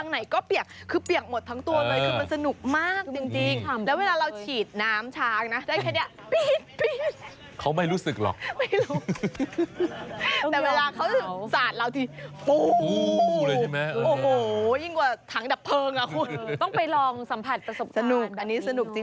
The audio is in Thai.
เหมือนกันแบบไม่รู้จะหลบยังไง